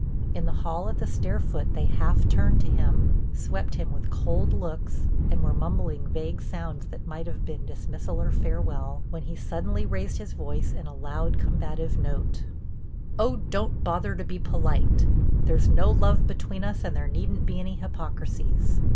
In the hall at the stair foot they half turned to him, swept him with cold looks and were mumbling vague sounds that might have been dismissal or farewell, when he suddenly raised his voice in a loud, combative note: "Oh, don't bother to be polite. There's no love between us and there needn't be any hypocrisies.